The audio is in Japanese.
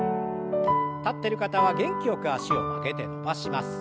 立ってる方は元気よく脚を曲げて伸ばします。